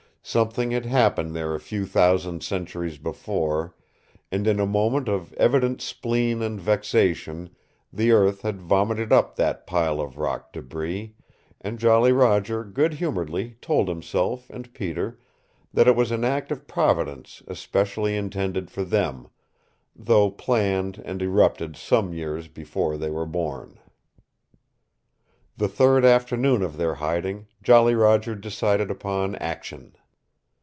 Something had happened there a few thousand centuries before, and in a moment of evident spleen and vexation the earth had vomited up that pile of rock debris, and Jolly Roger good humoredly told himself and Peter that it was an act of Providence especially intended for them, though planned and erupted some years before they were born. The third afternoon of their hiding, Jolly Roger decided upon action.